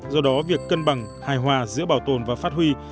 do đó việc cân bằng hài hòa giữa bảo tồn và phát huy